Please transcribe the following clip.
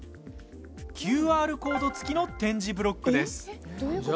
ＱＲコード付きの点字ブロックです。